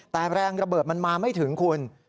แต่แรงระเบิดมันมาไม่ถึงคุณ